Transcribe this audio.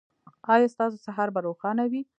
ایا ستاسو سهار به روښانه وي؟